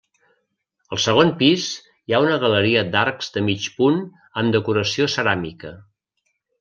Al segon pis hi ha una galeria d'arcs de mig punt amb decoració ceràmica.